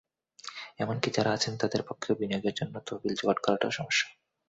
এমনকি যাঁরা আছেন, তাঁদের পক্ষেও বিনিয়োগের জন্য তহবিল জোগাড় করাটাও সমস্যা।